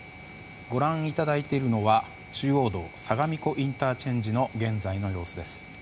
ご覧いただいているのは中央道相模湖ＩＣの現在の様子です。